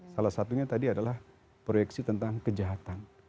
salah satunya tadi adalah proyeksi tentang kejahatan